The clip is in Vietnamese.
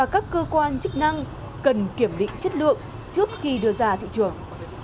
các cơ quan chức năng cần kiểm định chất lượng trước khi đưa ra thị trường